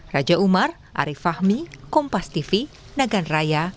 raja umar arief fahmi kompas tv nagan raya